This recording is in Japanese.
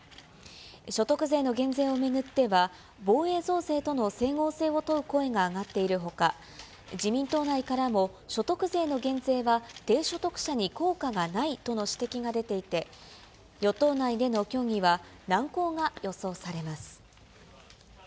所得税の減税を巡っては、防衛増税との整合性を問う声が上がっているほか、自民党内からも、所得税の減税は、低所得者に効果がないとの指摘が出ていて、与党内での協議は、難航が予想されます。